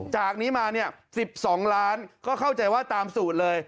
จากนี้มาเนี่ย๑๒ล้านก็เข้าใจว่าตามสูตรเลย